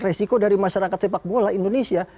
resiko dari masyarakat sepak bola indonesia